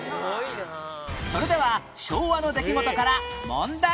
それでは昭和の出来事から問題